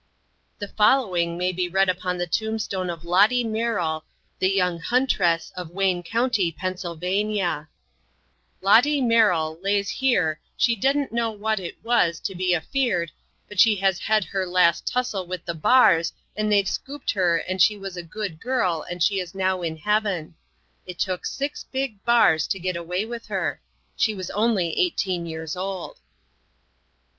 The following may be read upon the tombstone of Lottie Merrill, the young huntress of Wayne County, Pennsylvania: "Lottie Merrill lays hear she dident know wot it wuz to be afeered but she has hed her last tussel with the bars and theyve scooped her she was a good girl and she is now in heaven. It took six big bars to get away with her. She was only 18 years old."